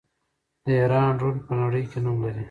د ایران ډرون په نړۍ کې نوم لري.